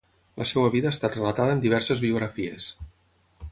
La seva vida ha estat relatada en diverses biografies.